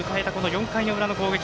４回の裏の攻撃。